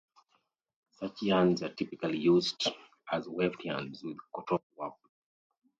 Such yarns are typically used as weft yarns with a cotton warp.